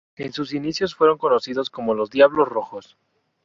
En sus inicios fueron conocidos como "Los Diablos Rojos".